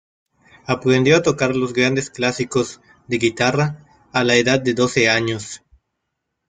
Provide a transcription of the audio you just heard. Aprendió a tocar los grandes clásicos de guitarra a la edad de doce años.